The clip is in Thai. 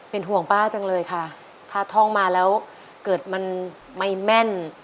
เป็นห่วงป้าจังเลยค่ะถ้าท่องมาแล้วเกิดมันไม่แม่น